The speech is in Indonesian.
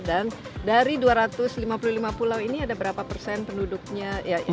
dan dari dua ratus lima puluh lima pulau ini ada berapa persen penduduknya